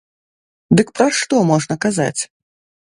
Дык пра што можна казаць?